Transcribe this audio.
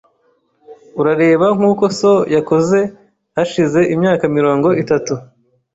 Urareba nkuko so yakoze hashize imyaka mirongo itatu .